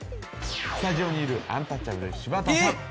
スタジオにいるアンタッチャブル・柴田さん